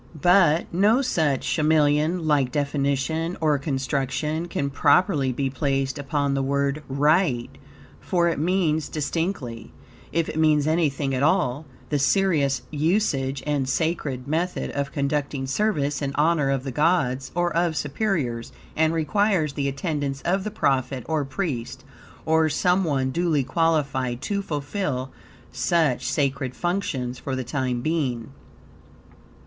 But, no such chameleon like definition or construction can properly be placed upon the word "rite," for it means distinctly, if it means anything at all, the serious usage and sacred method of conducting service in honor of the gods, or of superiors, and requires the attendance of the prophet or priest, or some one duly qualified to fulfill such sacred functions for the time being.